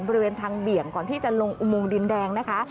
บริเวณทางเบี่ยงก่อนที่จะลงอุโมงดินแดงนะคะ